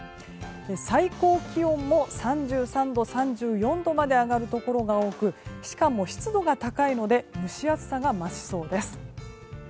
最高気温も３３度、３４度まで上がるところが多くしかも湿度が高いので蒸し暑さが増しそうです。